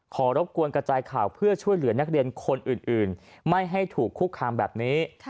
รบกวนกระจายข่าวเพื่อช่วยเหลือนักเรียนคนอื่นไม่ให้ถูกคุกคามแบบนี้